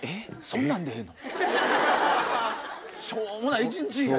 そんなんでええの？